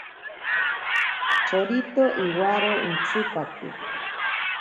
Chorito iwaro intsipaki.